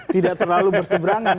tidak terlalu berseberangan